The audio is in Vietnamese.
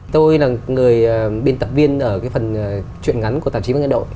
tôi là người biên tập viên ở cái phần truyện ngắn của tạp chí văn nghệ đội